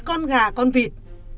con gà con vịt